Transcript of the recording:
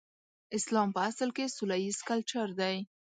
اسلام په اصل کې سوله ييز کلچر دی.